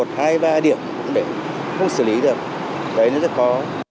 đấy nó rất khó